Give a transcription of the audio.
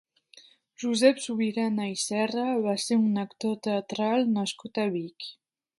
Josep Subirana i Serra va ser un actor teatral nascut a Vic.